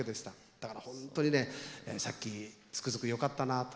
だから本当にねさっきつくづくよかったなと。